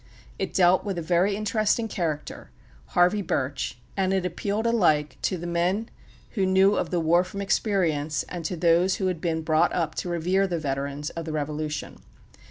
It dealt with a very interesting character, Harvey Birch; and it appealed alike to the men who knew of the war from experience, and to those who had been brought up to revere the veterans of the Revolution.